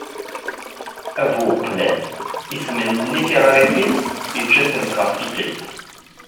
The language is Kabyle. D bu uqlal. Isemnenni tiɣrifin, icca-tent ɣef tikkelt.